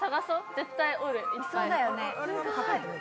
絶対おる。